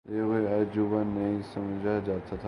یہ کوئی عجوبہ نہیں سمجھا جاتا تھا۔